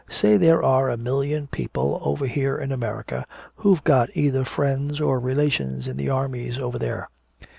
Say there are a million people over here in America who've got either friends or relations in the armies over there.